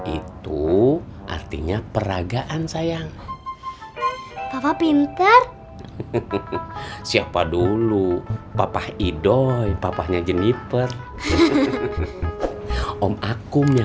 itu artinya peragaan sayang papa pinter siapa dulu papa idoy papa nya jeniper om akum yang